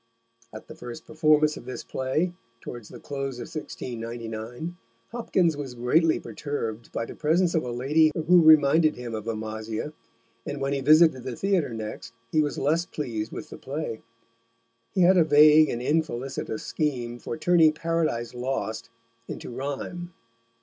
At the first performance of this play, towards the close of 1699, Hopkins was greatly perturbed by the presence of a lady who reminded him of Amasia, and when he visited the theatre next he was less pleased with the play. He had a vague and infelicitous scheme for turning Paradise Lost into rhyme.